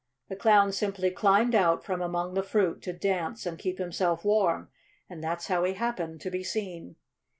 The Clown simply climbed out from among the fruit to dance and keep himself warm, and that's how he happened to be seen.